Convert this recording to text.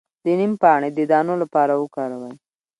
د نیم پاڼې د دانو لپاره وکاروئ